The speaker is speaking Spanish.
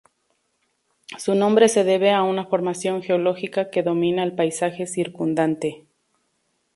Su nombre se debe a una formación geológica que domina el paisaje circundante.